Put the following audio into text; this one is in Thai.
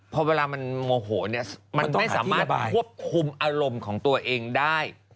พอเวลามันโมโหเนี่ยมันไม่สามารถควบคุมอารมณ์ของตัวเองได้